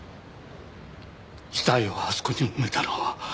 遺体をあそこに埋めたのは私です